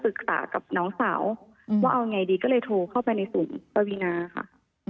แต่สิ่งที่ก็ไปในศูนย์ปวีนาค่ะ